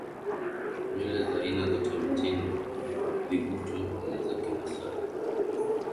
nywele za aina zote mtindo vibutu za kimasai